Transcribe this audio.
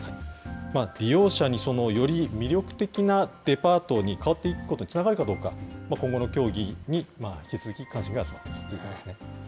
利用者により魅力的なデパートに変わっていくことにつながるかどうか、今後の協議に引き続き関心が集まっています。